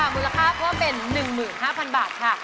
มูลค่าเพิ่มเป็น๑๕๐๐๐บาทค่ะ